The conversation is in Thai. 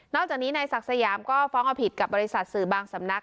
จากนี้นายศักดิ์สยามก็ฟ้องเอาผิดกับบริษัทสื่อบางสำนัก